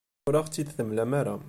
Ur aɣ-tt-id-temlam ara.